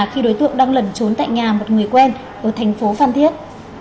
khi đối tượng đang lẩn trốn tại nhà một người quen ở thành phố phan thiết